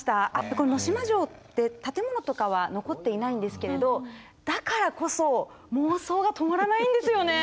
この能島城って建物とかは残っていないんですけれどだからこそ妄想が止まらないんですよね。